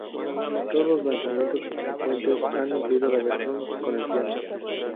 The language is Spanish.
Todos los lanzamientos subsecuentes han incluido la versión con el piano.